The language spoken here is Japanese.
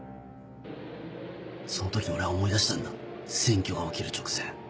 その時俺は思い出したんだ占拠が起きる直前。